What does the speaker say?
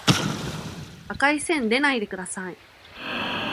赤い線でないでください